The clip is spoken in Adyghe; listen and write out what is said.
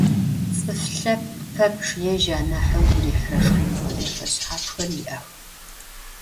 Ts'ıf lhepkh pepçç yêj anah ıgu rihıre şşxınığo zefeşshafxer yi'ex.